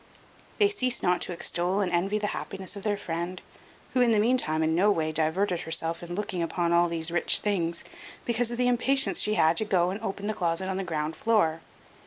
They ceased not to extol and envy the happiness of their friend, who in the meantime in no way diverted herself in looking upon all these rich things, because of the impatience she had to go and open the closet on the ground floor.